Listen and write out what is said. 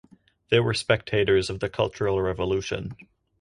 They were spectators of the Cultural Revolution.